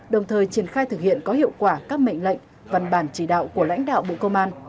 đồng thời triển khai thực hiện có hiệu quả các mệnh lệnh văn bản chỉ đạo của lãnh đạo bộ công an